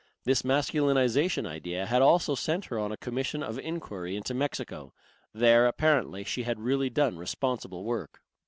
This masculinization idea had also sent her on a commission of enquiry into Mexico. There apparently she had really done responsible work.